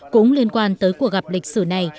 cũng liên quan tới cuộc gặp lịch sử này